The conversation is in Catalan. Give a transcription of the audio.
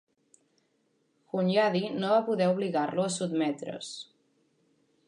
Hunyadi no va poder obligar-lo a sotmetre's.